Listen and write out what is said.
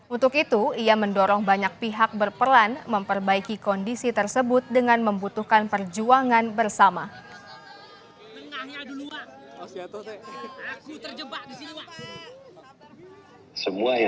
untuk itu ia mendorong banyak pihak berperan memperbaiki kondisi tersebut dengan membutuhkan perjuangan bersama